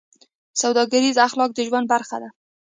سوداګریز اخلاق د ژوند برخه ده.